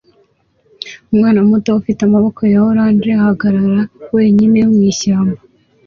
Umwana muto ufite amaboko ya orange ahagarara wenyine mwishyamba